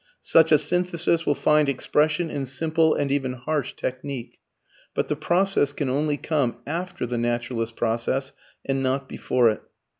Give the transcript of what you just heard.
Such a synthesis will find expression in simple and even harsh technique. But the process can only come AFTER the naturalist process and not before it.